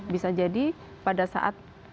bisa jadi pada saat